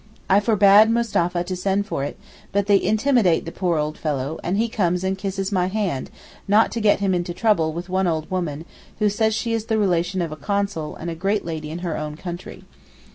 I forbade Mustapha to send for it, but they intimidate the poor old fellow, and he comes and kisses my hand not to get him into trouble with one old woman who says she is the relation of a Consul and a great lady in her own country.